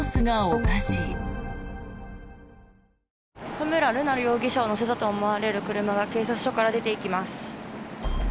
田村瑠奈容疑者を乗せたと思われる車が警察署から出ていきます。